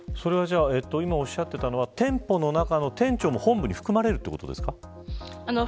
今おっしゃってたのは店舗の中の店長も本部に含まれるということですか。